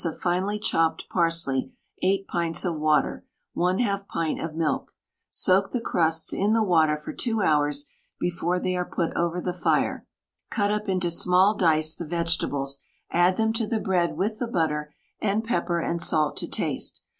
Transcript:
of finely chopped parsley, 8 pints of water, 1/2 pint of milk. Soak the crusts in the water for 2 hours before they are put over the fire. Cut up into small dice the vegetables; add them to the bread with the butter and pepper and salt to taste.